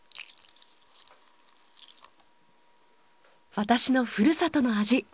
私のふるさとの味。